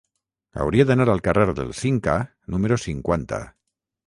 Hauria d'anar al carrer del Cinca número cinquanta.